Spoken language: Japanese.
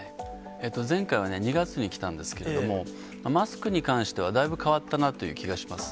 前回はね、２月に来たんですけれども、マスクに関してはだいぶ変わったなという気がします。